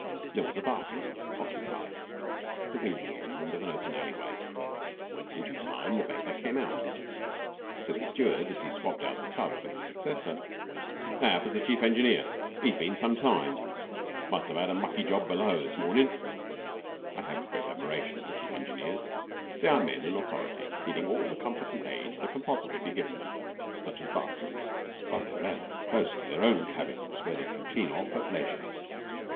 There was a bathroom (occupied) at the windy end of an open alleyway. In due time the bather came out. Said the steward, as he swabbed out the tub for his successor: 'That was the Chief Engineer. 'E's been some time. Must 'ave 'ad a mucky job below, this mornin'.' I have a great admiration for Chief Engineers. They are men in authority, needing all the comforts and aids that can possibly be given them such as bathrooms of their own close to their own cabins, where they can clean off at leisure.